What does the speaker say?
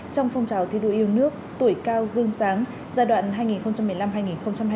trong phong trào thi đua yêu nước tuổi cao gương sáng giai đoạn hai nghìn một mươi năm hai nghìn hai mươi